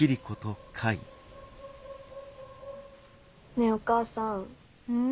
ねえお母さぁーん。